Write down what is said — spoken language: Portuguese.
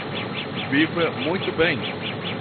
Viva muito bem